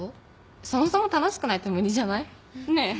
そもそも楽しくないと無理じゃない？ねえ？